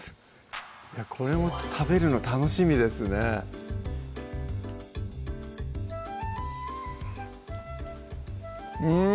これも食べるの楽しみですねうん！